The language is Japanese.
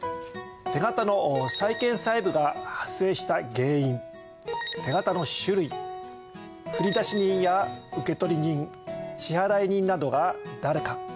手形の債権債務が発生した原因手形の種類振出人や受取人支払人などが誰か。